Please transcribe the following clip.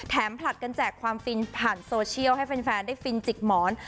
ผลัดกันแจกความฟินผ่านโซเชียลให้แฟนได้ฟินจิกหมอน